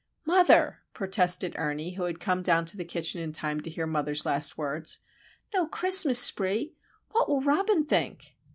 "Mother!" protested Ernie, who had come down to the kitchen in time to hear mother's last words. "No Christmas spree! What will Robin think?"